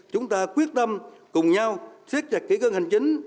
chúng ta quyết tâm cùng nhau xuyết chặt kỳ cương hành chính